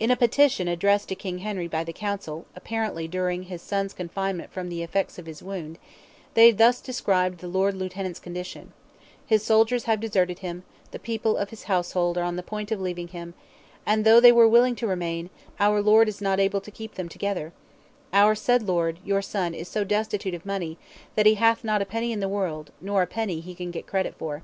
In a petition addressed to King Henry by the Council, apparently during his son's confinement from the effects of his wound, they thus describe the Lord Lieutenant's condition: "His soldiers have deserted him; the people of his household are on the point of leaving him; and though they were willing to remain, our lord is not able to keep them together; our said lord, your son, is so destitute of money, that he hath not a penny in the world, nor a penny can he get credit for."